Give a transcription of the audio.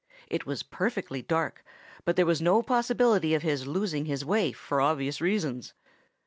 It was perfectly dark, but there was no possibility of his losing his way, for obvious reasons.